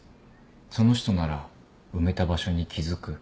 その人なら埋めた場所に気付く。